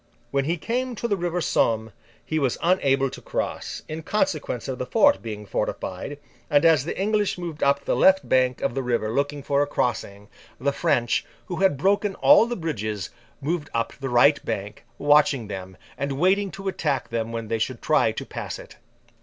When he came up to the river Somme he was unable to cross, in consequence of the fort being fortified; and, as the English moved up the left bank of the river looking for a crossing, the French, who had broken all the bridges, moved up the right bank, watching them, and waiting to attack them when they should try to pass it.